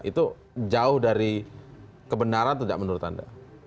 itu jauh dari kebenaran atau tidak menurut anda